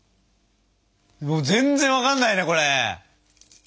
全然分かんないねこれ。